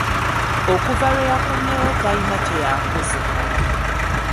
Okuva lwe yakomyewo talina kye yaakoze.